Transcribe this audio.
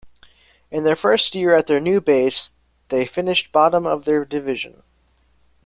In their first year at their new base, they finished bottom of their division.